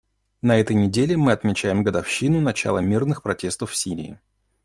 На этой неделе мы отмечаем годовщину начала мирных протестов в Сирии.